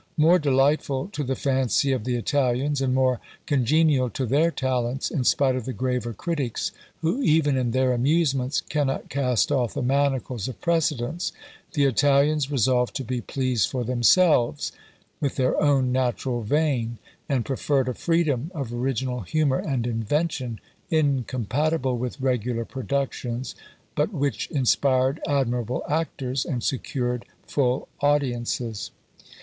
More delightful to the fancy of the Italians, and more congenial to their talents, in spite of the graver critics, who even in their amusements cannot cast off the manacles of precedence, the Italians resolved to be pleased for themselves, with their own natural vein; and preferred a freedom of original humour and invention incompatible with regular productions, but which inspired admirable actors, and secured full audiences.